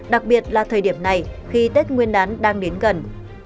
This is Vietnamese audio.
đặc biệt là thời điểm này khi tết nguyên đán đang đến gần